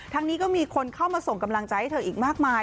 นี้ก็มีคนเข้ามาส่งกำลังใจให้เธออีกมากมาย